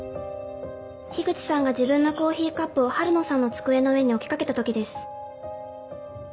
樋口さんが自分のコーヒーカップを晴野さんの机の上に置きかけた時です。